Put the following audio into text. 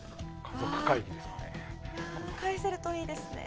返せるといいですね。